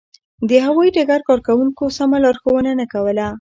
د هوایي ډګر کارکوونکو سمه لارښوونه نه کوله.